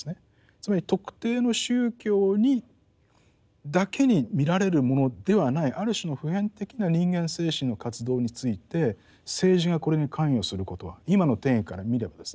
つまり特定の宗教にだけに見られるものではないある種の普遍的な人間精神の活動について政治がこれに関与することは今の定義から見ればですね